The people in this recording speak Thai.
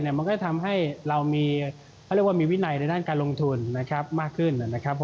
มันก็จะทำให้เรามีวินัยในด้านการลงทุนมากขึ้น